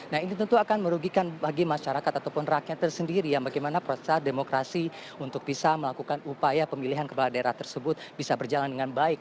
nah ini tentu akan merugikan bagi masyarakat ataupun rakyat tersendiri yang bagaimana proses demokrasi untuk bisa melakukan upaya pemilihan kepala daerah tersebut bisa berjalan dengan baik